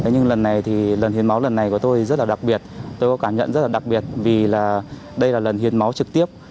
nhưng lần này thì lần hiến máu lần này của tôi thì rất là đặc biệt tôi có cảm nhận rất là đặc biệt vì là đây là lần hiến máu trực tiếp